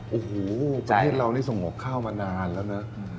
โอ้โหประเทศเรานี่สงบข้าวมานานแล้วนะ